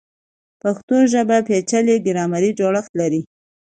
پښتو ژبه پیچلی ګرامري جوړښت لري.